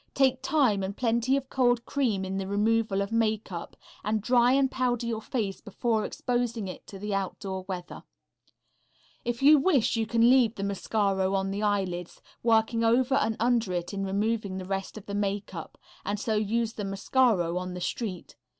Take time and plenty of cold cream in the removal of makeup, and dry and powder your face before exposing it to outdoor weather. If you wish to you can leave the mascaro on the eyelids, working over and under it in removing the rest of the makeup, and so use the mascaro on the street.